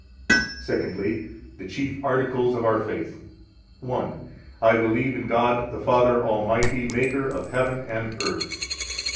Secondly THE CHIEF ARTICLES OF OUR FAITH. 11 1. I believe in God the Father Almighty, Maker of heaven and earth.